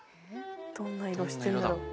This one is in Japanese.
どんな色してるんだろう。